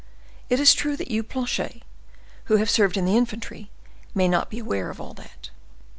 It is true that you, Planchet, who have served in the infantry, may not be aware of all that."